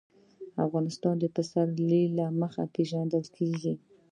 افغانستان د پسرلی له مخې پېژندل کېږي.